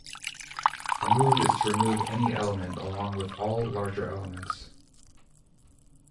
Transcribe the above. A move is to remove any element along with all larger elements.